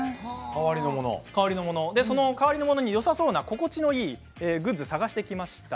その代わりのものによさそうな心地のいいものを探してきました。